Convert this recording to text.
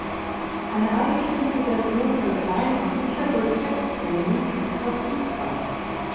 Eine eigenständige Version für kleine und mittlere Geschäftskunden ist verfügbar.